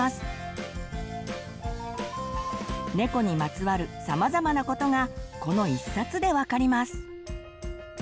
ねこにまつわるさまざまなことがこの一冊で分かります。